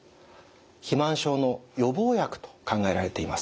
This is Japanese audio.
肥満症の予防薬と考えられています。